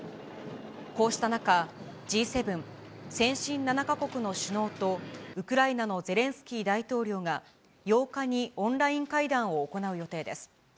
こうした中、Ｇ７・先進７か国の首脳と、ウクライナのゼレンスキー大統領が、８日にオンライン会談を行う予定です。